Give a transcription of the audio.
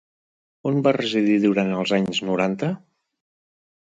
On va residir durant els anys noranta?